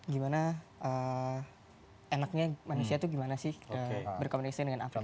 gimana enaknya manusia itu gimana sih berkomunikasi dengan afrika